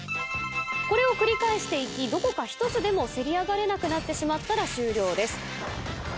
これを繰り返していきどこか１つでもせり上がれなくなってしまったら終了です。